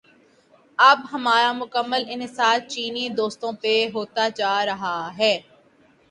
اب ہمارا مکمل انحصار چینی دوستوں پہ ہوتا جا رہا ہے۔